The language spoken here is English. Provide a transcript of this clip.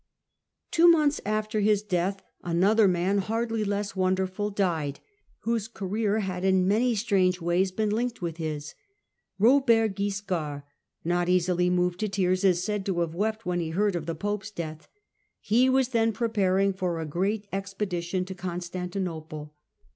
Two months after his death another man, hardly 'less wonderful, died, whose career had in many strange Death of ways been linked with his. Robert Wiscard, ^SSTjuiy^' ^^* easily moved to tears, is said to have wept 17, 1086 when he heard of the pope's death. He was then preparing for a great expedition to Constantinople.